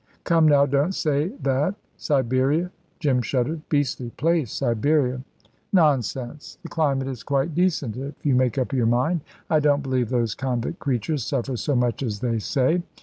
"Come now, don't say that. Siberia " Jim shuddered. "Beastly place, Siberia." "Nonsense. The climate is quite decent if you make up your mind. I don't believe those convict creatures suffer so much as they say."